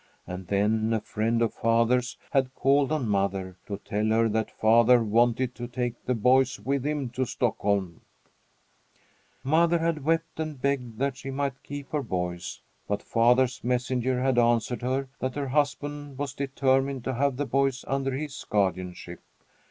And then a friend of father's had called on mother to tell her that father wanted to take the boys with him to Stockholm. Mother had wept and begged that she might keep her boys, but father's messenger had answered her that her husband was determined to have the boys under his guardianship.